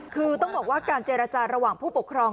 คือต้องบอกว่าการเจรจาระหว่างผู้ปกครอง